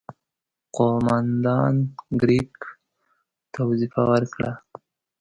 قوماندان کرېګ ته وظیفه ورکړه.